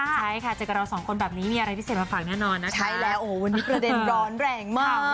ใช่ค่ะเจอกับเราสองคนแบบนี้มีอะไรพิเศษมาฝากแน่นอนนะคะใช่แล้วโอ้วันนี้ประเด็นร้อนแรงมาก